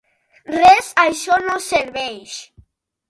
Res; això no serveix.